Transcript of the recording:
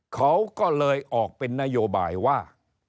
เขาก็เลยออกเป็นนโยบายว่า